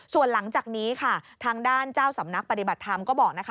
ส่วนหลังจากนี้ค่ะทางด้านเจ้าสำนักปฏิบัติธรรมก็บอกนะคะ